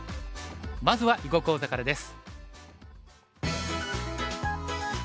まずは囲碁講座からです。